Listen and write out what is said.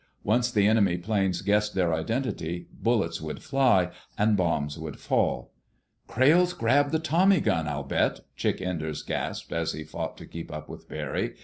Once the enemy planes guessed their identity bullets would fly, and bombs would fall. "Crayle's grabbed the tommy gun, I'll bet," Chick Enders gasped as he fought to keep up with Barry.